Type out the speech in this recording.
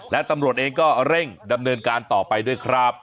และตำรวจเองก็เร่งดำเนินการต่อไปด้วยครับ